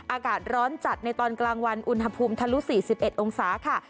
อากาศร้อนจัดในตอนกลางวันอุณหภูมิทะลุ๔๑องศาค่ะ